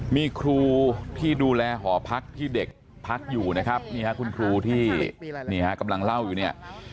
มีครูที่ดูแลหอพักที่เด็กพักอยู่นะครับนี่ฮะคุณครูที่นี่ฮะกำลังเล่าอยู่เนี่ย